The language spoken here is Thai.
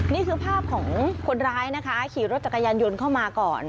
นี่คือภาพของคนร้ายนะคะขี่รถจักรยานยนต์เข้ามาก่อน